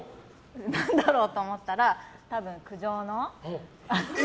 何だろうと思ったら多分苦情の。